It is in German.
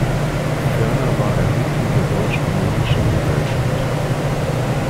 Ferner war er Mitglied der Deutsch-Armenischen Gesellschaft.